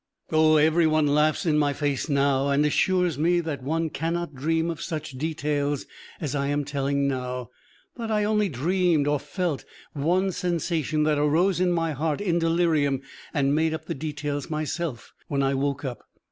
Oh, every one laughs in my face now, and assures me that one cannot dream of such details as I am telling now, that I only dreamed or felt one sensation that arose in my heart in delirium and made up the details myself when I woke up.